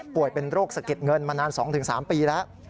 ป่วยเป็นโรคเสก็ดเงินมานาน๒๓ปีแล้ว